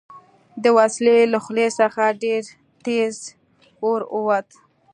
د وسلې له خولې څخه ډېر تېز اور ووت